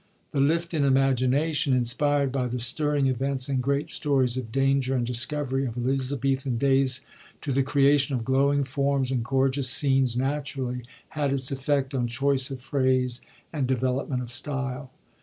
The lift in imagination, inspired by the stirring events and great stories of danger and discovery of Elizabethan days, to the creation of glowing forms and gorgeous scenes, naturally had its effect on choice of phrase and development of style.